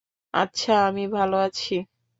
আচ্ছা, আমি ভালো আছি।